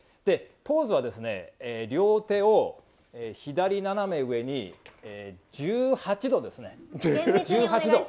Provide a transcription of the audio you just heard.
ポーズは、両手を左斜め上に１８度ですね。